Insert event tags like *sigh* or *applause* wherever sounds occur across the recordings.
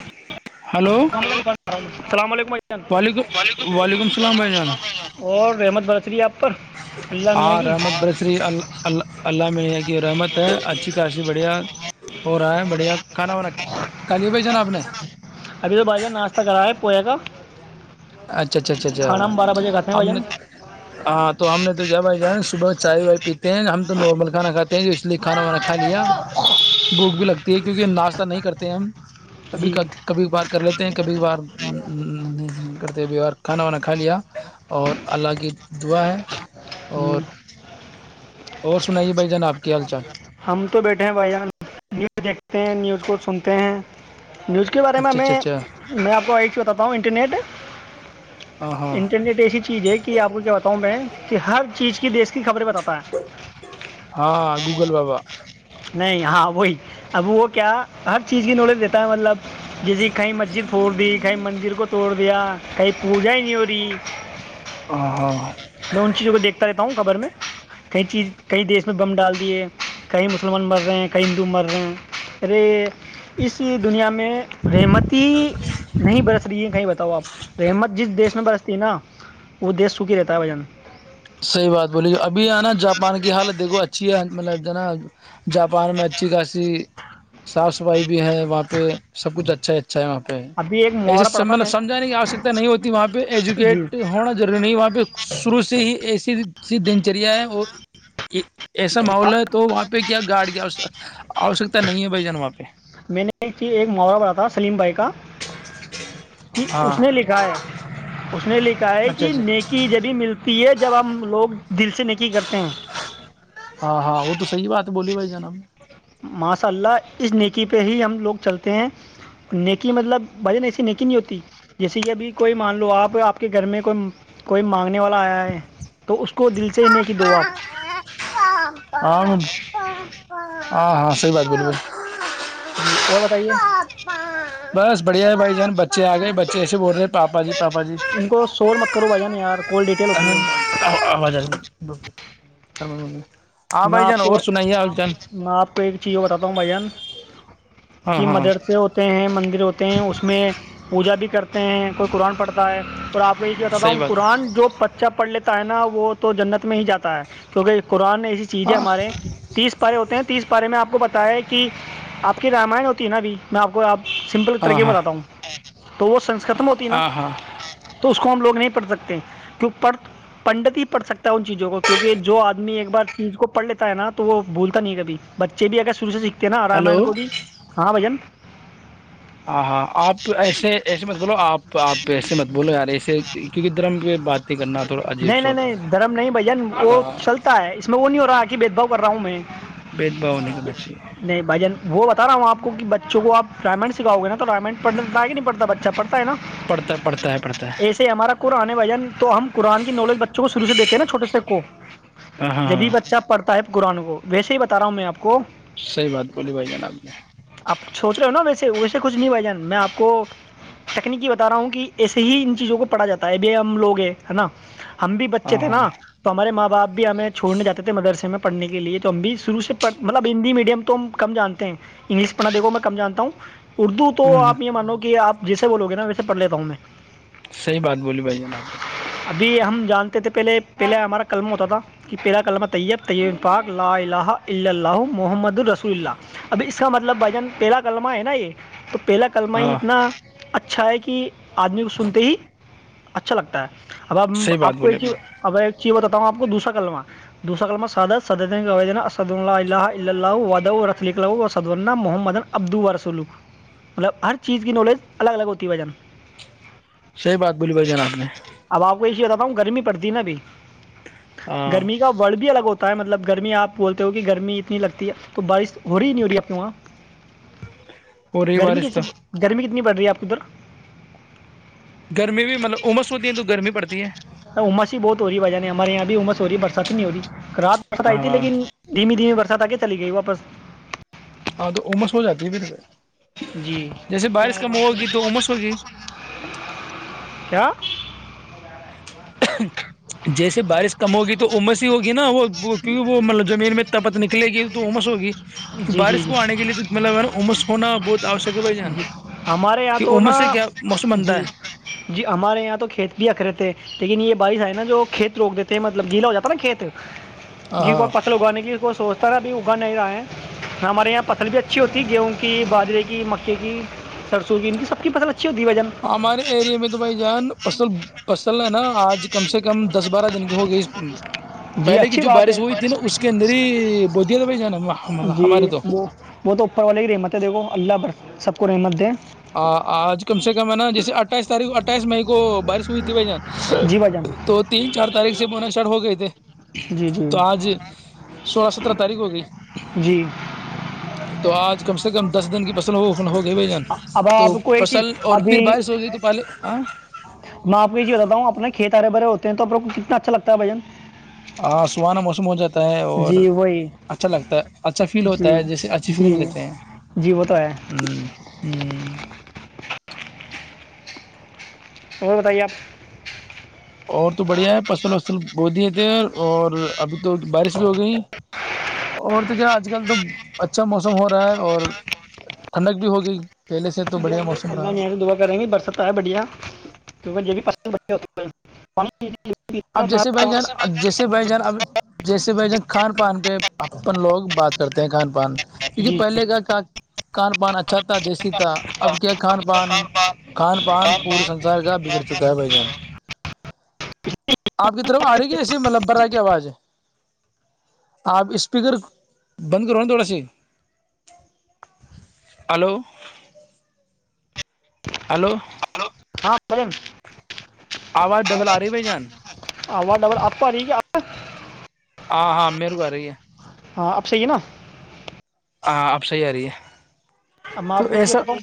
ہ السلام علیکم بھائی جان وعلیکم وعلیکم السلام بھائی جانا اور رحمت برس رہی ہے آپ پر اللہ میاں ہاں کی رحمت برسری اللہ میاں کی رحمت ہے اچھی خاصی بڑھیا ہو رہا ہے بڑھیا کھانا وانا کالے بھائی جانا آپ نے ابھی تو بھائی جان ناشتہ کرا ہے پویا کا اچھا اچھا اچھا کھانا ہم بارہ بجے کھاتے ہیں اچھا بھائی نے جان ہاں تو ہم نے تو کیا بھائی جان صبح چائے وائے پیتے ہیں ہم تو نارمل کھانا کھاتے ہیں اس لیے کھانا وانا کھا لیا بھوک بھی لگتی ہے کیونکہ ہم ناشتہ نہیں کرتے ہیں ہم کبھی جی کبھی بار کر لیتے ہیں کبھی بار بیوار کھانا وانا کھا لیا اور اللہ کی دعا ہے جی اور اور سنائیے بھائی جان آپ کی حال چال ہم تو بیٹھے ہیں بھائی جان نیوز دیکھتے ہیں نیوز اس کو سنتے ہیں نیوز کے بارے میں اچھا میں اچھا اچھا میں آپ کو ایک چیز بتاتا ہوں انٹرنیٹ ہاں ہاں انٹرنیٹ ایسی چیز ہے کہ آپ کو کیا بتاؤں میں کہ ہر چیز کی دیش کی خبریں بتاتا ہے ہاں بالکل بابا نہیں ہاں وہی اب وہ کیا ہر چیز کی نالج دیتا ہے مطلب جس کی کہیں مسجد پھوڑ دی کہیں مندر کو توڑ دی دیا کہیں پوجا ہی نہیں ہو رہی ہاں ہاں میں ان چیزوں کو دیکھتا رہتا ہوں خبر میں کئی چیز کئی دیش میں بم ڈال دیے کہئی مسلم مسلمان مر رہے ہیں کئی ہندو مر رہے ہیں اے اس دنیا میں رحمتی ہی نہیں برس رہی ہے کہیں بتاؤ آپ رحمت جس دیش میں برس رہ ت نا وہ دیش سوکھی رہتا ہے وجن صحیح بات بولی ابھی یہ نا جاپان کی حالت دیکھو اچھی ہے مطلب جنا جاپان میں اچھی خاصی صاف صفائی بھی ہے وہاں پہ سب کچھ اچا چ *unintelligible* اھ ہے وہاں پہ ابھی ایک محاورہ ایسے پڑھا تھا مطلب میں سمجھانے کی آوشکتا نہیں ہوتی وہاں پہ جی ایجوکیٹ ہونا ضروری نہیں وہاں پہ شروع سے ہی ایسی سی دن چریا ہے اور یہ ایسا ماول ہے تو وہاں پہ کیا گارڑڈ کی آوشکتا نہیں ہے بھائی جناب م آ پہ *unintelligible* میں نے ایک چی ایک محاورہ بڑ تھا سلیم بھائی کا کہ ہاں اس نے لکھا ہے اس نے لکھا ہے اچھا کہ اچھا نیکی جبھی ملتی ہے جب ہم لوگ دل سے نیکی کرتے ہیں ہاں ہاں وہ تو سحی بات ہے بولی بھائی جنم *unintelligible* ماشاء اللہ اس نیکی پہ ہی ہم لوگ چلتے ہیں نیکی مطلب بجن ایسی نیکی نہیں ہوتی جیسے کہ ابھی کوئی مان لو آپ آپ کے گھر میں کوئی کوئی مانگنے والا آیا ہے تو اس کو دل چین کی دوب *unintelligible* ہاں ہاں ہاں صحیح بات بول ب جی اور بتائیے بس بڑھیا ہے بھائی جان بچے آ گئے بچے ایسے بول رہ تھ پپا جی پا ان کو شور مت کرو بھائی جان یار کال ڈیٹیل ہوتی ہے آواز آ *unintelligible* س مے *unintelligible* میں آپ کو میں آپ کو ایک چیز یہ بتاتا ہوں بھائی جان ہاں کہ ہاں مدرسے ہوتے ہیں مندر ہوتے ہیں اس میں پوجا بھی کرتے ہیں کوئی قرآن پڑھتا *unintelligible* ہے اور آپ نے یہ کیا بتااتا صحیح ہوں بات ہے قرن جو بچہ پڑھ لیتے ہے نا وہ تو جنت میں ہی جاتا ہے کیونکہ قرآن ایک چیزیں ہاں ہمارے تیس پارے ہوتے ہیں تیس پارے میں آپ کو بتا ہے کہ آپ کی رامائن ہوتی ہے نا ابھی میں آپ کو آپ سمپل طرح ہاں کی ہاں بتاتا ہوں تو وہ سنس ختم ہوتی نا ہاں ہاں تو اس کو ہم لوگ نہیں پڑھ سکتے کیوں پڑھ پنڈت ہی پڑھ سکتا ہے ان چیزوں کو کیونکہ جو آدمی ایک بار ز کو پھ لیتا ہے نا تو وہ بولتا نہیں ہے کب بچے بھی اگرروع سے سھ کہ نا رامائن ہلو کو بھی ہاں بھجن ہاں ہاں آپ ایسے ایسے مت بولو آپ آپ ایسے مت بولو یار ایسے کیونکہ ادھر میں کی باتیں کرنا تھوڑا عجیب نہیں سا نہیں ہوتا نہیں ہے دھرم نہیں بھائی جان وہ چلتا ہے اس میں وہ ہو رہا کہ بھید بھؤ کر رہا ہوں میں بھید بھاؤ نہیں کرنا چاہیے نہیں بھجن وہ بتا ا ہ آپ کو کہ بچوں کو آپ ڈائمنڈ سکھاؤ گے نا تو ڈائمنڈ پڑنے نہیں پڑتا بچہ پڑتا ہے نا پڑھتا پڑھتا ہے پڑھتا ہے ایسے ہمارا قرآن نے بجن تو ہم قرآن کی نولج بچوں کو شروع سے دیتے ہیں نا چھوٹے سے کو ہاں ہاں جبھی ہاں بچہ پڑھتا ہے قران کو ویے ہی بتا رہا ہوں میں آپ کو سی بات بولی بھائی جناب نے چھوٹ رہے ہو نا ویسے ویسے کچھ نہیں بھائی جان میں آپ کو تکنیکی بتا رہا ہوں کہ ایسے ہی ان چیزوں کو پڑھا جاتا ہے بے ہم لوگ ہیں ہے نا ہم بھی بچے ہاں تھے ہاں نا تو ہمارے ماں باپ *inaudible* چھوڑنے جاتے تھے مدرسے میں پڑھنے کے لیے تو ہم بھی شروع سے مطلب ہندی میڈیم تو ہم کم جانتے ہیں انگلش پڑھنا دیکھو میں کم جانتا ہوں اردو تو ہ آپ یہ مانو کہ آپ جسے بولو گے نا ویسے پھ لیتا ہوں میں صحیح بات بولی بھائی جان آپ نے ابھی ہم جانتے تھے پہلے پہلے ہمارا قلم ہوتا تھا تیرا کلمہ طیب ت پاک لا الہ الا اللہ محمد رسول اللہ اب اس کا مطلب بھائی جان پہلا کلمہ ہے نا یہ پہلا کلمہ ہی ہاں اتنا اچھا ہے کہ آدمی کو سنتے ہی اچھا لگتا ہے اب صحیح بات آپ کو بولی ایک نے چیز اب ایک چیز بتا تو اپ نے دوسرا سلمان دوسرا کلمہ سادہ سد محمد عبد رسول ہر چیز کی نلد الگ الگ ہوتی ہے بھائی جان صحیح بات بولی بھائی جناب نے آپ کو یہ چیز بتاتا گرمی پڑتی ہے نا ابھی ہاں گرمی کا وڑ بھی الگ ہوتا ہے مطلب گرمی آپ بولتے ہو کہ گرمی اتنی لگتی ہے تو بارش ہو رہی نہیں ہو رہی ہے آپ کے وہاں ہو رہی گرمی کی بارش تو گرمی کتنی پڑ رہی ہے آپ کی ادھر گرمی بھی مطلب عمس ہوتی ہے تو گرمی پڑتی ہے امت ہی بہت ہو رہی ہے بھائی جان ہمارے یہاں بھی عمر ہو رہی ہے برسات نہیں ہو رہی رات برس آئی تھی ہاں لیکن دھیمی دھیمی برس س آ کے چلی گئی واپس ہاں تو عمس ہو جاتی ہے پھر جی جیسے بارش کم ہوگی تو امس ہوگی کیا جیسے بارش کم ہوگی تو عمس ہی ہوگی نا وہ کیونکہ وہ مطلب زمین میں تپت نکلے گی تو امس ہوگی جی جی بارش جی کو آنے کے لیے تو مطلب نا امس ہونا بہت آوشک ہے بھائی ج جی ہمارے یہاں کہ تو نا امس سے کیا موسم بنتا جی ہے جی ہمارے یہاں تو کھیت بھی اکھ رہے تھے لیکن یہ بارش ہے نا جو کھیت روک دیتے ہیں مطلب گیلا ہواتا نا کھیت جی کو ہاں پتر اگانے کی کو سوچتا رہا ابھی اگا نہیں رہا ہے ہمارے یہاں فصل بھی اچھی ہوتی ہے گیہوں کی باجرے کی مکے کی سرسوں کی ان کی سب کی فصل ا ہمارے ایریے میں تو بھائی جان فصل فصل ہے نا آج کم سے کم دس بارہ دن کی ہوگئی جی پہلے کی اچھی جو بارش ہوئی تھی نا اس کے اندر ہی بو دیا تھا بھائی جان جی ہمارے تو وہ وہ تو اوپر والے ہی رحمت ہے دیکھو اللہ اور سب کو نعمت دیں آج کم سے کم ہے نا جیسے اٹ اٹھائیس تاریخ اٹھائی م کو بارش ہوئی تھی بھ جان جی بھائی جان تو تین چار تاریخ سے بنا اسٹارٹ ہو گئے تھے جی جی تو آج سولہ سترہ تاریخ ہو گئی جی تو آج کم سے کم دس دن کی پسند ہو ہوگئے بھ جان اب آپ تو کوئی فصل چیز اور ابھی پھر بارش ہو گئی تو پہلے میں آپ کو یہ چیز بتتا ہوں اپنا کھیت بھرے ہوتے ہیں توو کو کتنا اچھا لگتا ہے بھن ہاں سوان موسم ہو جات اور جی وہی اچھا لگتا اچھا فیل ہوتا جی ہے جیسے اچھی جی فیلنگ لیتے ہیں جی وہ تو ہے ہ ہ اور بتائیے آپ اور تو بڑھیا ہے فصل وصل ب دیے تھے اور اور ابھی تو بارش بھی ہو گئی اور د کیا آج کل تو اچھا موسم ہو رہا ہے اور ٹھنڈک بھی ہو گئی پہلے سے تو بڑھیا موسم رہا دا کر رہیں برس پ آ ہے بڑیا کیکہ ج بھی پڑ *unintelligible* اب جیسے بھائی جان جیسے بھائی جان اب جیسے بھائی جان کھان پان پہ اپن لوگ بات کرتے ہیں کہان پ کیکہ جی پہلے کا کھان پان اچھا تھا دیسی تھا اب کیا کھان پان کھان پان پورے سنسار کا بگڑ چکا ہے بھائی جان آپ کی طرف آ رہی ہے ایسیے ملببر ہے کی آواز ہے آپ اسپیکر بند کرو ن تھوڑا سی ہلو ہلو ہاں بن آواز ڈبل آ رہی ہے بھائی جان آوا ڈبل آپ ہاری کیا *inaudible* ہاں ہاں میرو آ رہی ہے ہاں آپ صی ہے نا ہاں آب صحیح آ رہی ہے ب میں تو آپ کو یہ چیز ایسا بت ہوں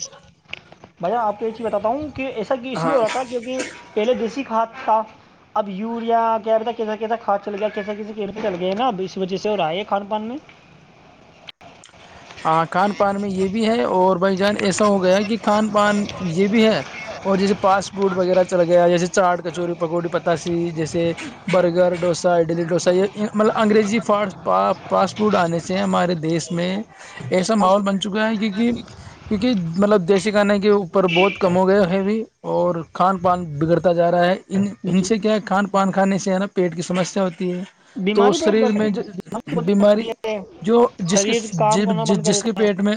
بھ آپ کو یہ چیز بتاتا ہوں کہ ایسا اس لیے ہاں ہو رہا تھا کیہ پہلے دیسی کا *inaudible* کاد تھا اب یوریا کہ رہتا کیسا کیسا کھاد چل گیا کیسا کیسے کیت چل گیا ہے نا اب اس وجہ سے اور رہئے ہے کھان پان میں ہ کھان پان میں یہ بھی ہے اور بھائی جان ایسا ہو گیا کہ کھان پان یہ بھی ہے اور جیسے فاسٹ فوڈ وغیرہ چل گیا جیسے چاٹ کچوری پکوڑی پتاسی جیسے برگر ڈوسا اڈلی ڈوسا یہ مطلب انگریزی فاسٹا فاسٹ فوڈ آنے سے ہمارے دیس میں *unintelligible* ایسا ماحول بن چکا ہے کیونکہ کیونکہ مطلب دیسی کھانے کے اوپر بہت کم ہو گیا ہے بھی اور کھان پان بگڑتا جا رہا ہے ان ان جی سے کیا ہے کھان پان کھانے سے ہے نا پیٹ کی سمسیا ہوتی ہے تو بیماری بہت شریر بڑھتی میں بیماری بہت بیماری بڑھتی ہے جو جس کے شریر کام کرنا ج بند کر جس کے پیٹ میں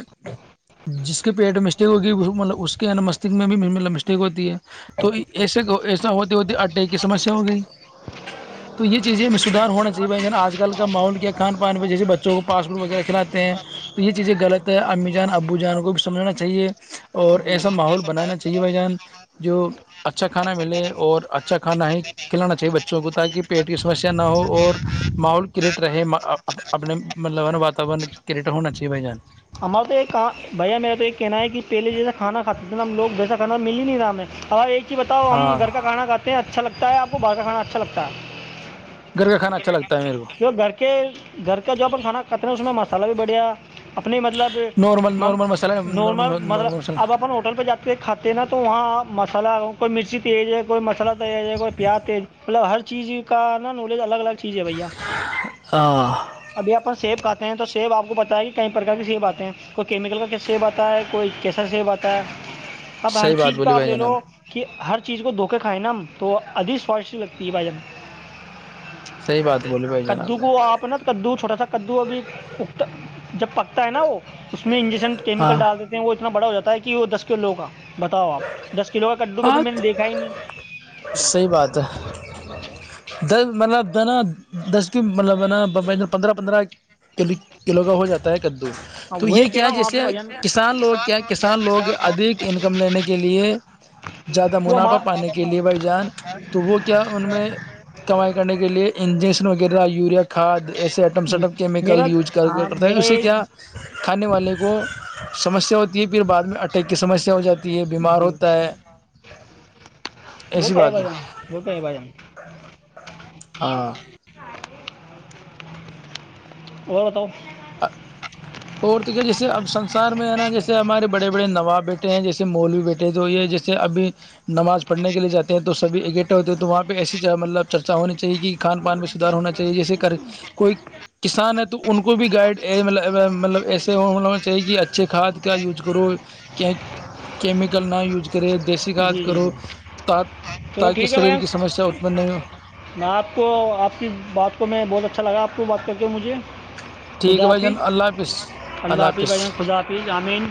جس کے پیٹ میں مسٹیک ہوگی مطلب اس کے ن مستک میں بھیب مسٹیک ہوتی ہے توے دیتا ہے ایا ہوتے ہوتی اٹ کی سمسیا ہو گئی تو یہ چیزیں میں سھار ہونا چاہیے آج کل کا ماول کیا کھان پان پہ جیسے بچوں کو پاسٹ فوڈ وغیرہ کھلاتے تو یہ چیزیں غلط ہے امی جان ابو جان کو بھی سمجھا چاہیے اور ایسا ماحول بنانا چاہیے جی بھائی جان جو اچھا کھانا ملے اور اچھا کھانا ہی کھلانا چاہیے بچوں کو تاکہ پیٹ کی سمسیا نہ ہو اور ماحول کریٹ رہے اپنے مطلب ہے نا وااتاورن کریٹ ہونا چاہیے بائی جان ہمارا تو یہ کہاں بھیا میرا تو یہ کہنا ہے کہ پہلے جیسا کھا کھاتے تھے نا ہم لوگ جیسا کھا مل ہی نہیں تھا ہم ہم ایک ج بتاؤ ہم ہاں گ کاھاناھے ہیں اچھا لگتا ہےپ کو باہر کاھانا اچھا لگتا کتا *unintelligible* گھر کا کانا اچھا لگتا ہے میرے کو کی گھر کے گھر کا جو اپ کھانا کھاتے نا اس میں مسالہ بھی بڑھیا اپنی مطلب نارمل نارمل مسالہ نارمل مطلب نارمل اب مسالہ اپ ہوٹل پہ جاتے کھاتے ہیں نا تو وہاں مسالہ *unintelligible* کوئی مرچی تیج ہے کوئی مساللہ تویز ہے جائے کوئی پیاز تی مطلب ہر چیز کا نا نالج الگ الگ چیز ہے بھیا ہاں ابھی اپن سیب کا تے ہیں تو سیب آپ کو پت ہے کہ کئی پرکار کے سیب آتے ہیں کوئی کیمیکل کا سیب آتا ہے کوئی کیسا سیب آتا ہے اب ہر صحیح بات چیز بولی کا آپ بھائی لے لو جناب کہ ہر اس چیز کو دھوکے کھائیں نا ہم تو ادھی سوادشٹی لگتی ہے بھائی ہمب صحیح بات بول کدو کو آپ نا کدو چھوٹا سا کدو ابھی اکتا جب پکتا ہے نا وہ اس میں انجیکشن کیمیکل ہاں ڈال دیتے ہیں وہ اتناڑا ہو جاتا ہے کہ وہ دس کلوگ کا بتاؤ آپ دس کلو کا کدو آ کبھی میں نے دیکھا ہی نہیں صحی بات ہے د مطلب نا دس کی مطلب ہے نا پندرہ پندرہ ک کلو کا ہو جاتا ہے ہ ہاں تو وہی یہ کہہ کیا رہا ہوں آپ جیسے سے بھائی جان کسان لوگ کیا کسان لوگ ادھ انکم لینے کے ہے زیادہ وہ منافع پانے کے لئے بھائی جان ہمارا تو وہ کیا ان میں کمائی کرنے کے لئے انجن جسن وغیرہ یوریا کھاد ایسے ایٹم جی سٹم میرا کیمیکل یوز ہاں کرتا ہے میرا اسے ایک کیا کھانے والے کو سمسیا ہوتی ہے پھر بعد میں اٹیک کی سمسیا ہو جاتی ہے بیمار جی ہوتا ہے وہ ایسی تو ہے بات ہو بجان وہ تو ہے ب جان ہاں اور بتاؤ اورت کیا جیسے اب سسار میں ہے نا جیسے ہمارے بڑے بڑے نواب بیٹے ہیں جیسے مولوی بیٹے تو یہ جیسے ابھی نماز پڑھنے کے لیے جاتے ہیں تو سبھی اکٹے ہوتے ہیں تو وہاں پہ ایسی مطلب چرچا ہونے چاہے کہ کھان پان میں سدھار ہونا چاہیے جیسے کوئی کسان ہے تو ان کو بھی گائیڈ مطلب ایسے ہو ہم لوگنا چاہیے کہ اچھے کھاد کا یوز کرو کہ کیمیکل نہ یوز کرے دیسی کھاد جی جی کرو جی تا چلو تاکہ ٹھیک ہے شریر بھائیان کی سمسیا اتپن نہیں ہو میں آپ کو آپ کی بات کو میں بہت اچھا لگا آپ تو بات کر کے مجھے ٹھیک ہے خدا بھائی جان پی اللہ حافظ اللہ ح پی ب حافظ خدافی جامین